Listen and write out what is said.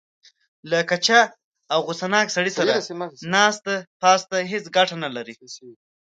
له کچه او غوسه ناک سړي سره ناسته پاسته هېڅ ګټه نه لري.